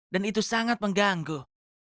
dan itu sangat mengganggu